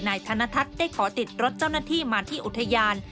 ธนทัศน์ได้ขอติดรถเจ้าหน้าที่มาที่อุทยาน